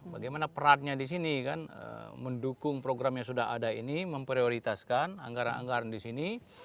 bagaimana perannya di sini kan mendukung program yang sudah ada ini memprioritaskan anggaran anggaran di sini